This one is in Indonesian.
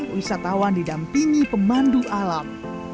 wisatawan didampingi pemandu alam